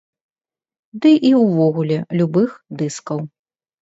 Ды і ўвогуле, любых дыскаў.